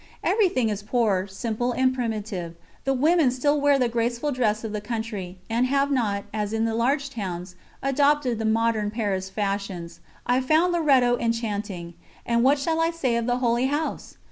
Everything is poor, simple, and primitive; the women still wear the graceful dress of the country and have not, as in the large towns, adopted the modern Paris fashions. I found Loreto enchanting. And what shall I say of the Holy House?